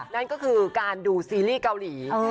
นั่นก็คือการดูซีรีส์เกาหลี